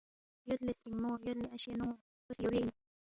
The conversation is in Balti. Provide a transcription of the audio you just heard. یود لے سترِنگمو، یود لے اشے، نون٘و کھو سی یو بے اِن